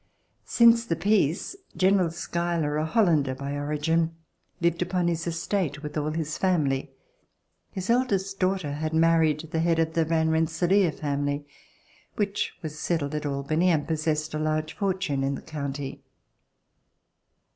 Since the peace. General Schuyler, a Hollander by origin, lived upon his estate with all his family. His eldest daughter had married the head of the Van Rensselaer family which was settled at Albany and possessed a large fortune in the county.